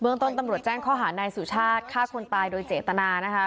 ต้นตำรวจแจ้งข้อหานายสุชาติฆ่าคนตายโดยเจตนานะคะ